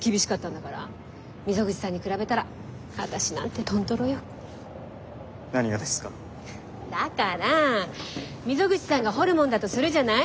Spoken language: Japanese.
だから溝口さんがホルモンだとするじゃない。